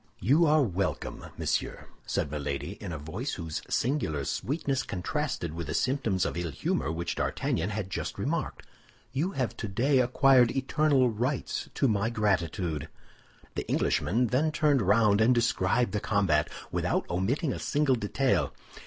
"You are welcome, monsieur," said Milady, in a voice whose singular sweetness contrasted with the symptoms of ill humor which D'Artagnan had just remarked; "you have today acquired eternal rights to my gratitude." The Englishman then turned round and described the combat without omitting a single detail.